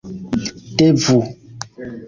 devu